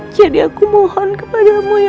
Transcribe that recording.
jadi aku mohon kepada mu ya allah